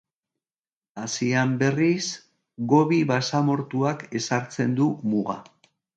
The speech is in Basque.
Asian, berriz, Gobi basamortuak ezartzen du muga.